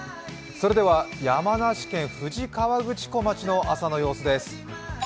山梨県富士河口湖町の朝の様子です。